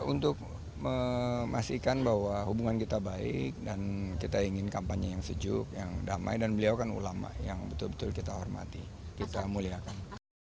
untuk memastikan bahwa hubungan kita baik dan kita ingin kampanye yang sejuk yang damai dan beliau kan ulama yang betul betul kita hormati kita muliakan